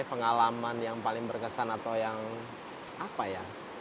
pengalaman yang paling berkesan atau yang apa ya